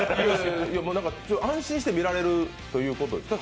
なんか安心して見られるということですか？